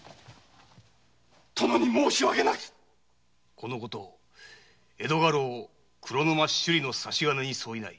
このこと江戸家老・黒沼修理の差し金に相違ない。